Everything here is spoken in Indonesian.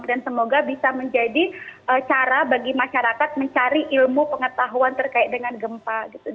dan semoga bisa menjadi cara bagi masyarakat mencari ilmu pengetahuan terkait dengan gempa gitu